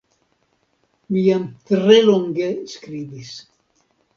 Mi jam tre longe skribis.